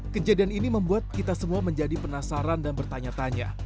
kejadian ini membuat kita semua menjadi penasaran dan bertanya tanya